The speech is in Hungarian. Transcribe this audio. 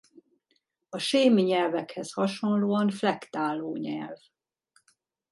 A sémi nyelvekhez hasonlóan flektáló nyelv.